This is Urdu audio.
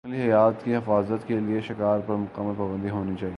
جنگلی حیات کی حفاظت کے لیے شکار پر مکمل پابندی ہونی چاہیے